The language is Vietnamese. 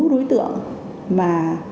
đối tượng mà